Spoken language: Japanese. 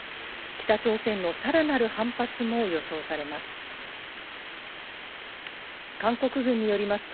北朝鮮のさらなる反発も予想されます。